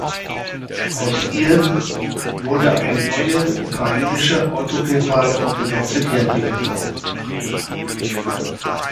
Aus ihr wurde eine neue "Ukrainische Autokephale Orthodoxe Kirche" geformt.